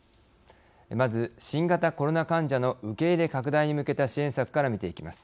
まず、新型コロナ患者の受け入れ拡大に向けた支援策から見ていきます。